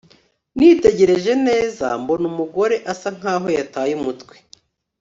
nitegereje neza cyane mbona umugore asa nkaho yataye umutwe